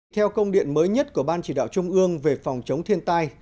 theo công điện mới nhất của ban chỉ đạo trung ương về phòng chống thiên tai